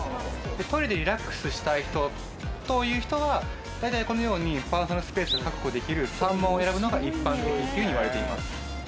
トイレでリラックスしたい人という人は大体このようにパーソナルスペースを確保できる３番を選ぶのが一般的っていうようにいわれています